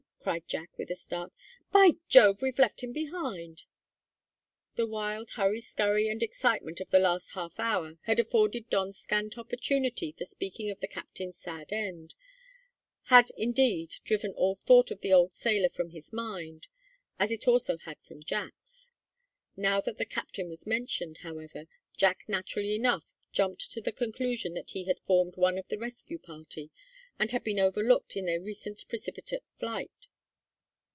cried Jack with a start. "By Jove, we've left him behind!" The wild hurry scurry and excitement of the last half hour had afforded Don scant opportunity for speaking of the captain's sad end had, indeed, driven all thought of the old sailor from his mind, as it also had from Jack's. Now that the captain was mentioned, however, Jack, naturally enough, jumped to the conclusion that he had formed one of the rescue party, and had been overlooked in their recent precipitate flight.